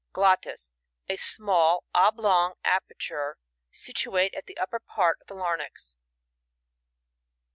Glottis. — A small oblong aperture, situate at the upper part of the larynx.